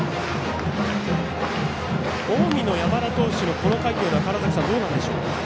近江の山田投手のこの回どうなんでしょうか？